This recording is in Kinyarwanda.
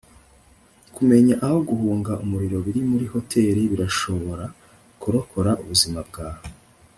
kumenya aho guhunga umuriro biri muri hoteri birashobora kurokora ubuzima bwawe